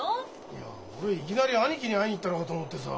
いや俺いきなり兄貴に会いに行ったのかと思ってさ。